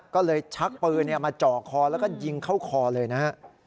ก็เลยชักปืนมาจ่อคอแล้วก็ยิงเข้าคอเลยนะฮะ